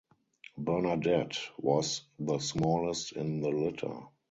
Bernadette was the smallest in the litter.